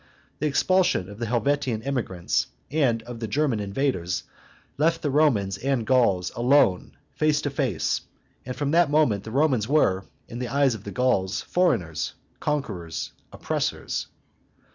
The expulsion of the Helvetian emigrants and of the German invaders left the Romans and Gauls alone face to face; and from that moment the Romans were, in the eyes of the Gauls, foreigners, conquerors, oppressors.